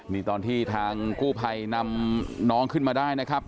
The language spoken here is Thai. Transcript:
นี่ตอนที่ทางกู้ภัยนำน้องขึ้นมาได้นะครับ